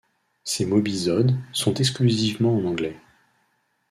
Ces mobisodes sont exclusivement en anglais.